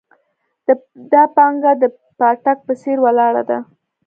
دا پانګه د پاټک په څېر ولاړه ده.